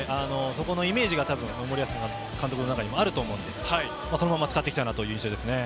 イメージが森保監督の中にもあると思うので、そのまま使って来た印象ですね。